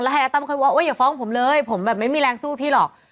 ทนายตั้มเคยว่าอย่าฟ้องผมเลยผมแบบไม่มีแรงสู้พี่หรอก